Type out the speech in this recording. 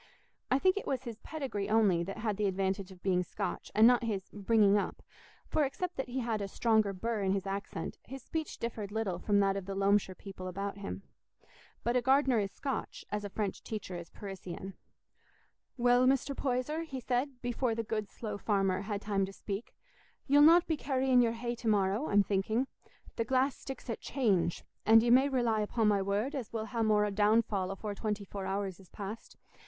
I think it was his pedigree only that had the advantage of being Scotch, and not his "bringing up"; for except that he had a stronger burr in his accent, his speech differed little from that of the Loamshire people about him. But a gardener is Scotch, as a French teacher is Parisian. "Well, Mr. Poyser," he said, before the good slow farmer had time to speak, "ye'll not be carrying your hay to morrow, I'm thinking. The glass sticks at 'change,' and ye may rely upo' my word as we'll ha' more downfall afore twenty four hours is past.